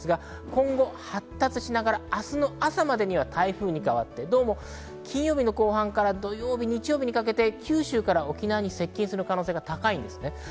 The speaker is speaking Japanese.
今後、発達しながら明日の朝までには台風に変わって、どうも金曜日の後半から土曜日、日曜日にかけて九州から沖縄に接近する可能性が高いです。